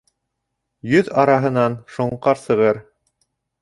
Йөҙ араһынан шоңҡар сығыр.